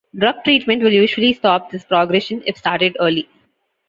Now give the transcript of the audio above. Drug treatment will usually stop this progression if started early.